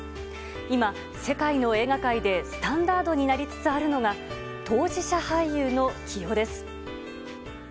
今、世界の映画界でスタンダードになりつつあるのが当事者俳優の起用です。